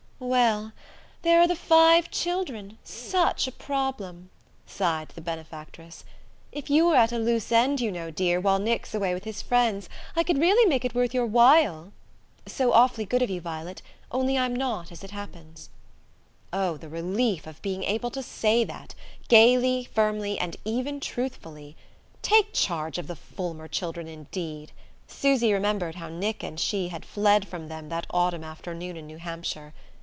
"Well, there are the five children such a problem," sighed the benefactress. "If you were at a loose end, you know, dear, while Nick's away with his friends, I could really make it worth your while...." "So awfully good of you, Violet; only I'm not, as it happens." Oh the relief of being able to say that, gaily, firmly and even truthfully! Take charge of the Fulmer children, indeed! Susy remembered how Nick and she had fled from them that autumn afternoon in New Hampshire.